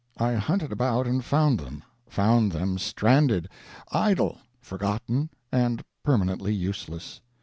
I hunted about and found them found them stranded, idle, forgotten, and permanently useless.